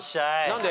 何で？